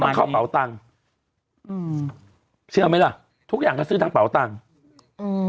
เดี๋ยวมันก็ต้องเข้าเป่าตังค์เชื่อไหมล่ะทุกอย่างก็ซื้อทั้งเป่าตังค์